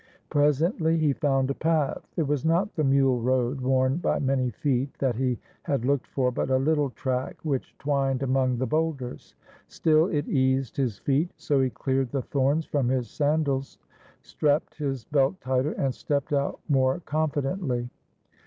Presently he found a path. It was not the mule road, worn by many feet, that he had looked for, but a little track which twined among the boulders. Still it eased his feet, so he cleared the thorns from his sandals, strapped his belt tighter, and stepped out more con fidently.